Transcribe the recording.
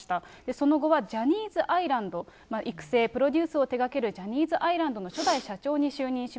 その後はジャニーズアイランド育成、プロデュースを手がけるジャニーズアイランドの初代社長に就任し